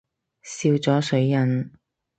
笑咗水印